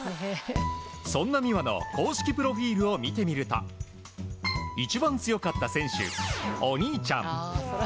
そんな美和の公式プロフィールを見ると一番強かった選手、お兄ちゃん。